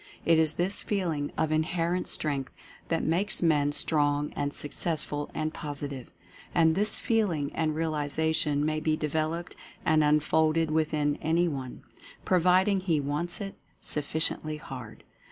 It is this feeling of Inherent Strength that makes men Strong and Successful and Positive. And this feeling and realization may be de veloped and unfolded within any one, providing he ivants it "sufficiently hard."